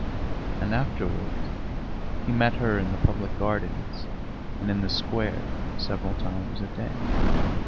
And afterwards he met her in the public gardens and in the square several times a day.